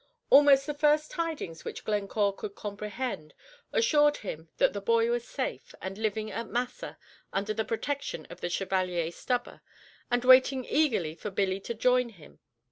Almost the first tidings which Glencore could comprehend assured him that the boy was safe, and living at Massa under the protection of the Chevalier Stubber, and waiting eagerly for Billy to join him.